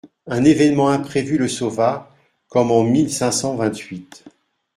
Un événement imprévu le sauva, comme en mille cinq cent vingt-huit.